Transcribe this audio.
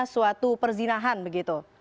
suatu perzinahan begitu